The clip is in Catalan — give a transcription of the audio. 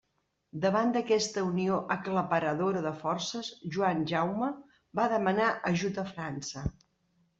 Davant d'aquesta unió aclaparadora de forces, Joan Jaume va demanar ajut a França.